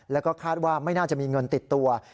แล้วก็คาดว่าไม่น่าจะมีเงินติดตัว